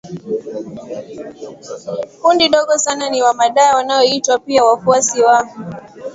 Kundi dogo sana ni Wamandayo wanaoitwa pia wafuasi wa